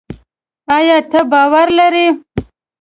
ایا ته باور لري؟